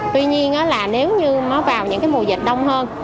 tuy nhiên là nếu như nó vào những cái mùa dịch đông hơn